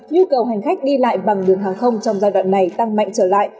nhu cầu hành khách đi lại bằng đường hàng không trong giai đoạn này tăng mạnh trở lại